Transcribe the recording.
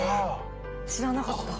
知らなかった。